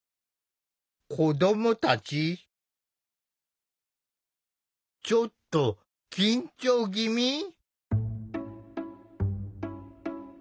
子どもたちちょっと緊張ぎみ？